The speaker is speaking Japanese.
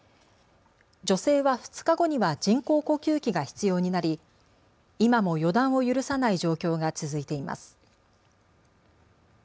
女性は２日後には人工呼吸器が必要になり今も予断を許さない状況が続いています。